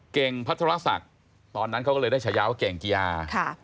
เกรงพัฒนาศักดิ์ตอนนั้นเขาก็เลยได้เฉยาว่าเกรงเกียร์อาร์